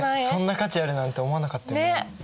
そんな価値あるなんて思わなかったね。ね？